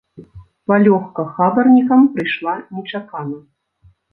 Палёгка хабарнікам прыйшла нечакана.